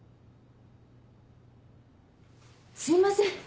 すいません